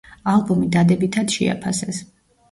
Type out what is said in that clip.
ალბომი დადებითად შეაფასეს.